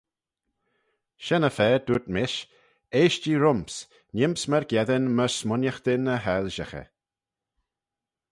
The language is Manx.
"Shen-y-fa dooyrt mish, Eaisht-jee rhym's; neem's myrgeddin my smooinaghtyn y hoilshaghey."